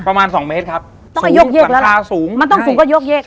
ประมาณสองเมตรครับต้องให้ยกเยกแล้วล่ะราวสูงมันต้องสูงก็ยกเยก